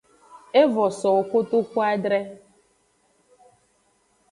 Evo sowo kotuadre.